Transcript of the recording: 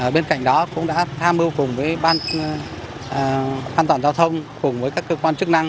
bên cạnh đó cũng đã tham mưu cùng với ban an toàn giao thông cùng với các cơ quan chức năng